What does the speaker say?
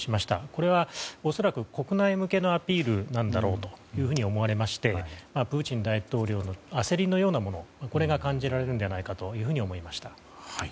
これは、恐らく国内向けのアピールなんだろうと思われましてプーチン大統領の焦りのようなものが感じられるのではないかと思いました。